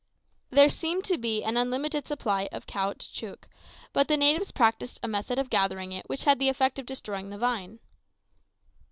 There seemed to be an unlimited supply of caoutchouc; but the natives practised a method of gathering it which had the effect of destroying the vine.